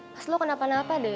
pas kamu kenapa kenapa deh